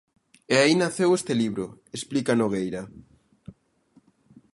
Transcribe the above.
E aí naceu este libro, explica Nogueira.